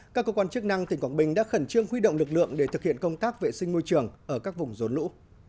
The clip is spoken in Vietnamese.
các cơ quan chức năng tỉnh quảng bình đã khẩn trương huy động lực lượng để thực hiện công tác vệ sinh môi trường ở các vùng rốn lũ